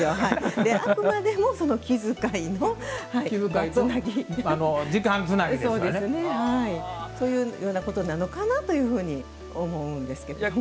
あくまでも気遣いの場つなぎというようなことなのかなと思うんですけどもね。